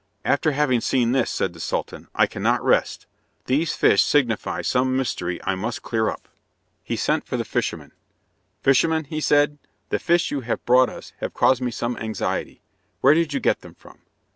"After having seen this," said the Sultan, "I cannot rest. These fish signify some mystery I must clear up." He sent for the fisherman. "Fisherman," he said, "the fish you have brought us have caused me some anxiety. Where did you get them from?"